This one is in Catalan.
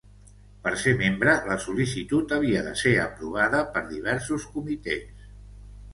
Per ser membre, la sol·licitud havia de ser aprovada per diversos comitès.